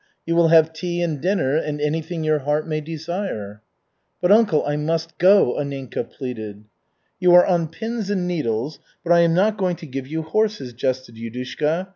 You will have tea and dinner and anything your heart may desire." "But, uncle, I must go," Anninka pleaded. "You are on pins and needles, but I am not going to give you horses," jested Yudushka.